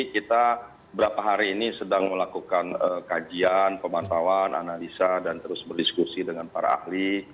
kita berapa hari ini sedang melakukan kajian pemantauan analisa dan terus berdiskusi dengan para ahli